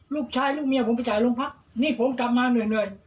ลูกชายลูกเมียผมไปจ่ายโรงพักนี่ผมกลับมาเหนื่อย